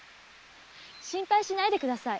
心配しないでください